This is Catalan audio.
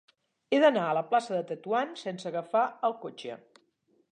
He d'anar a la plaça de Tetuan sense agafar el cotxe.